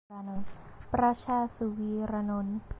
- ประชา สุวีรานนท์